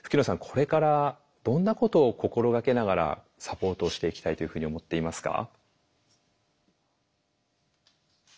これからどんなことを心がけながらサポートしていきたいというふうに思っていますか？